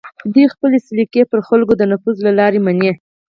دوی خپلې سلیقې پر خلکو د نفوذ له لارې مني